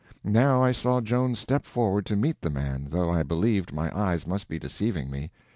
Now I saw Joan step forward to meet the man, though I believed my eyes must be deceiving me.